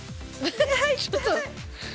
◆ちょっと。